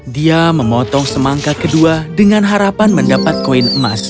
dia memotong semangka kedua dengan harapan mendapat koin emas